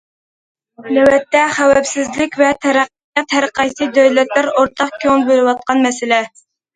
نۆۋەتتە، خەۋپسىزلىك ۋە تەرەققىيات ھەرقايسى دۆلەتلەر ئورتاق كۆڭۈل بۆلۈۋاتقان مەسىلە.